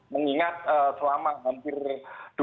mengingat selama hampir dua tahun